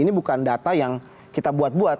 ini bukan data yang kita buat buat